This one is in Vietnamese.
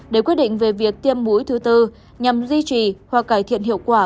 để quyết định về việc tiêm mũi thứ tư nhằm duy trì hoặc cải thiện hiệu quả